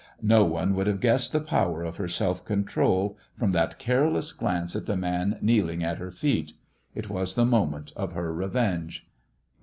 No one would have guessed the power of her self control from that careless glance at the man kneeling at her feet. It was the moment of her revenge.